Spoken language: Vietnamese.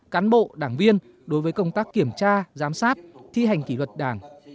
cán bộ đảng viên đối với công tác kiểm tra giám sát thi hành kỷ luật đảng